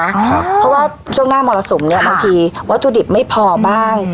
เพราะว่าช่วงหน้ามรสุมเนี่ยบางทีวัตถุดิบไม่พอบ้าง